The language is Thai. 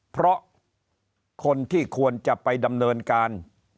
เพราะคนที่ควรจะไปดำเนินการ